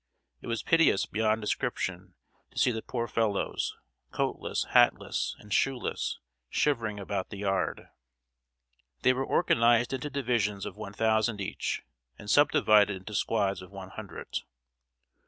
It was piteous beyond description to see the poor fellows, coatless, hatless, and shoeless, shivering about the yard. They were organized into divisions of one thousand each, and subdivided into squads of one hundred.